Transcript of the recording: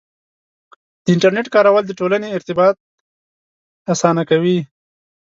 د انټرنیټ کارول د ټولنې ارتباط اسانه کوي.